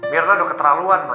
mirna udah keterlaluan ma